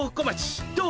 どう？